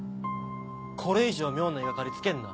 これ以上妙な言い掛かりつけんな